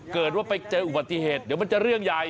เกิดว่าไปเจออุบัติเหตุเดี๋ยวมันจะเรื่องใหญ่